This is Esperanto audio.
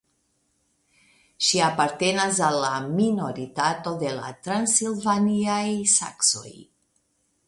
Ŝi apartenas al la minoritato de la transilvaniaj saksoj.